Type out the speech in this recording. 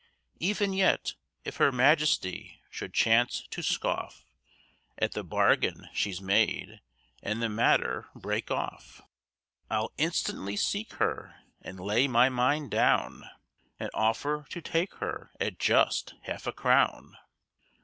Even yet, if Her Majesty should chance to scoff At the bargain she's made, and the matter break off, I'll instantly seek her, and lay my mind down, And offer to take her at just half a crown!